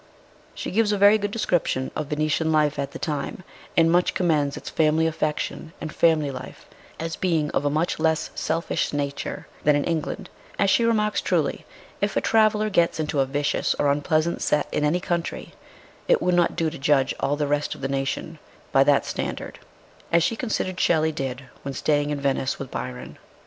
She gives a very good description of Venetian life at the time, and much commends its family affection and family life as being of a much less selfish nature than in England; as she remarks truly, if a traveller gets into a vicious or unpleasant set in any country, it would not do to judge all the rest of the nation by that standard as she considered Shelley did when staying in Venice with Byron.